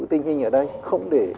tình hình ở đây không để